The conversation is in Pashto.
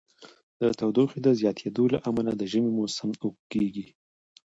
د تودوخې د زیاتیدو له امله د ژمی موسم اوږد کیږي.